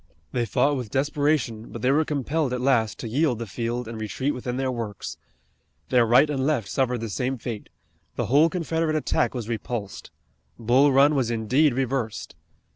They fought with desperation, but they were compelled at last to yield the field and retreat within their works. Their right and left suffered the same fate. The whole Confederate attack was repulsed. Bull Run was indeed reversed.